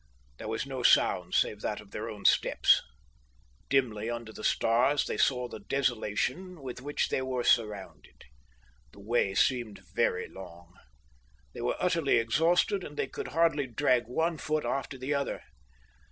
There was no sound save that of their own steps. Dimly, under the stars, they saw the desolation with which they were surrounded. The way seemed very long. They were utterly exhausted, and they could hardly drag one foot after the other.